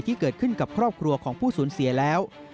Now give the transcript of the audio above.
ที่เกิดขึ้นกับครอบครัวของผู้สูญเสียแล้ว